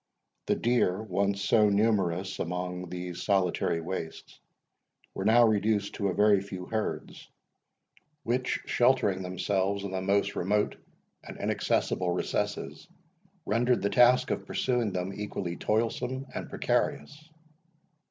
The deer, once so numerous among these solitary wastes, were now reduced to a very few herds, which, sheltering themselves in the most remote and inaccessible recesses, rendered the task of pursuing them equally toilsome and precarious.